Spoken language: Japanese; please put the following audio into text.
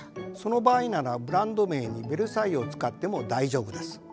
その場合ならブランド名に「ベルサイユ」を使っても大丈夫です。